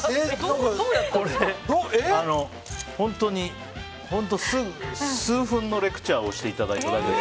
本当数分のレクチャーをしていただいただけで。